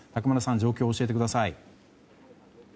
状況を教えてください。